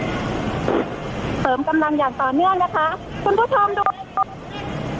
เติมกำลังอย่างต่อเนื่องนะคะ